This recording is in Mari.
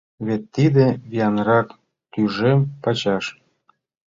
Вет тиде виянрак тӱжем пачаш!